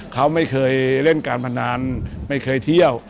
เขาไม่เคยเล่นการพนันไม่เคยเที่ยว